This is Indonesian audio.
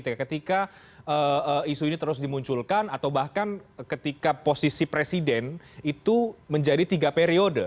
ketika isu ini terus dimunculkan atau bahkan ketika posisi presiden itu menjadi tiga periode